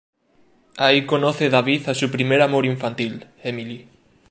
Ahí conoce David a su primer amor infantil: Emily.